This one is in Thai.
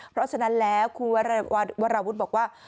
เพราะฉะนั้นแล้วครูวราวุฒิบอกว่า